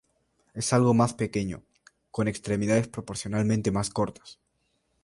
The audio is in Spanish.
Es algo más pequeño, con extremidades proporcionalmente más cortas.